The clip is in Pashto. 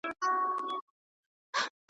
د پیر زیارت ته خیراتونه راځي ,